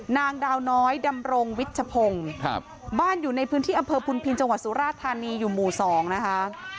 นางดาวน้อยดำรงวิชพงศ์บ้านอยู่ในพื้นที่อำเภอพุนพินจังหวัดสุราธานีอยู่หมู่๒นะคะ